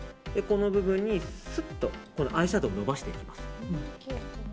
この部分にスッとアイシャドーをのばしていきます。